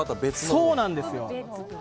そうなんですよ。